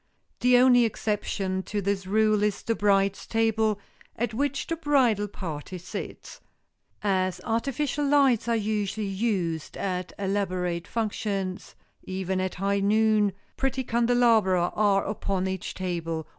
The only exception to this rule is the bride's table at which the bridal party sits. As artificial lights are usually used at elaborate functions, even at high noon, pretty candelabra are upon each table.